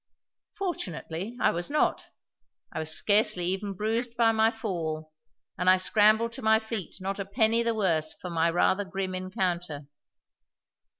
Fortunately, I was not; I was scarcely even bruised by my fall, and I scrambled to my feet not a penny the worse for my rather grim encounter.